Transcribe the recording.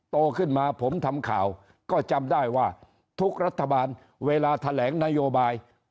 โตขึ้นมาผมทำข่าวก็จำได้ว่าทุกรัฐบาลเวลาแถลงนโยบาย